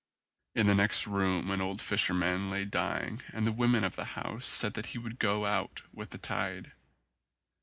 In the next room an old fisherman lay dying and the women of the house said that he would go out with the tide.